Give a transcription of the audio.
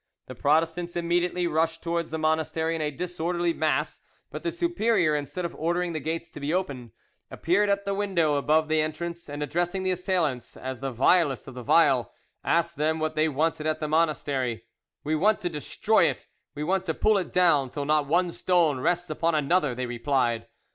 The Protestants immediately rushed towards the monastery in a disorderly mass; but the superior, instead of ordering the gates to be opened, appeared at a window above the entrance, and addressing the assailants as the vilest of the vile, asked them what they wanted at the monastery. "We want to destroy it, we want to pull it down till not one stone rests upon another," they replied.